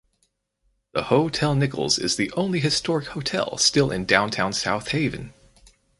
The Hotel Nichols is the only historic hotel still in downtown South Haven.